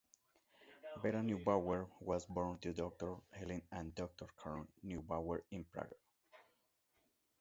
Vera Neubauer was born to Doctor Helene and Doctor Karl Neubauer in Prague.